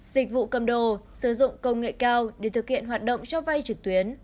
dịch vụ cầm đồ sử dụng công nghệ cao để thực hiện hoạt động cho vay trực tuyến